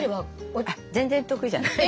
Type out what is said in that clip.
あっ全然得意じゃない。